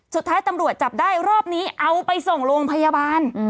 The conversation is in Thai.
สุดท้ายตำรวจจับได้รอบนี้เอาไปส่งโรงพยาบาล